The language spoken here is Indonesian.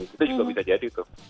itu juga bisa jadi tuh